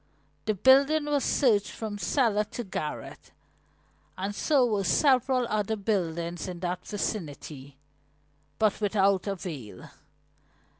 The building was searched from cellar to garret, and so were several other buildings in that vicinity, but without avail.